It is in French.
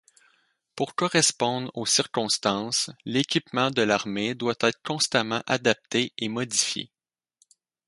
Pour correspondre aux circonstances, l'équipement de l'armée doit être constamment adapté et modifié.